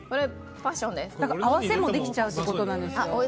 合わせもできちゃうってことなんですよ。